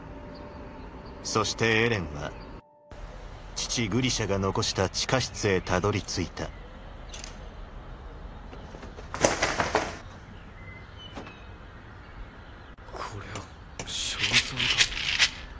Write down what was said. そしてエレンは父グリシャが残した地下室へたどりついたこれは肖像画？